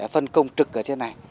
phân công trực ở trên này